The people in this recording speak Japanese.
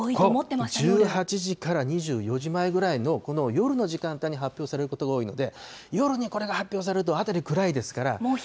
１８時から２４時前ぐらいの、この夜の時間帯に発表されることが多いので、夜にこれが発表されると辺り暗いですから。